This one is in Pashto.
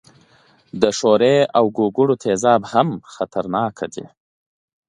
د ښورې تیزاب او د ګوګړو تیزاب هم خطرناک دي.